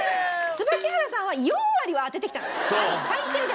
椿原さんは４割は当ててきた最低でも。